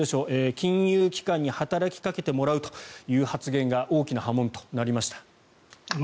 金融機関に働きかけてもらうという発言が大きな波紋となりました。